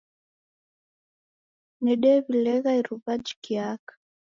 Nedew'ilegha iruwa jikiaka.